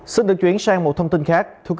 xin được chuyển sang một thông tin khác